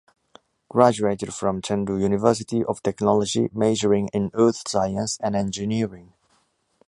Graduated from Chengdu University of Technology majoring in Earth Science and Engineering.